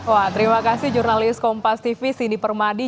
wah terima kasih jurnalis kompas tv sindi permadi